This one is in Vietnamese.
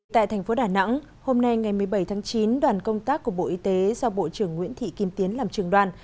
tại thành phố đà nẵng hôm nay ngày một mươi bảy tháng chín đoàn công tác của bộ y tế do bộ trưởng nguyễn thị kim tiến làm trường đoàn